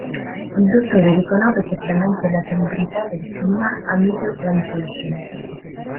Il dottore riconobbe certamente la salubrità del clima a "Middle Plantation".